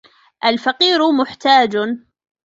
الْفَقِيرُ مُحْتَاجٌ.